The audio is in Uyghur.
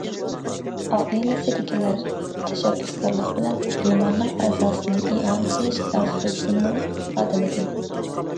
ئائىلىسىدىكىلەر تەشەببۇسكارلىق بىلەن بىمارنىڭ ئەزاسىنى ئىئانە قىلىش ئارزۇسىنى ئىپادىلىدى.